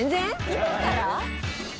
今から？